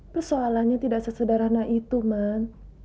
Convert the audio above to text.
persoalannya tidak sesederhana itu man